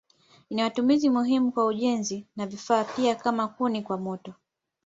Ina matumizi muhimu kwa ujenzi na vifaa pia kama kuni kwa moto.